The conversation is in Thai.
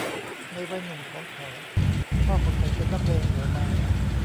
ในวัยหนุ่มของเขาพ่อของฉันเป็นนักเลงหัวไม้